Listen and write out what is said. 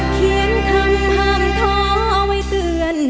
เขียนคำห้ามท้อไว้เตือน